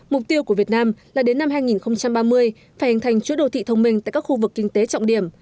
mục tiêu của việt nam là đến năm hai nghìn ba mươi phải hình thành chuỗi đô thị thông minh tại các khu vực kinh tế trọng điểm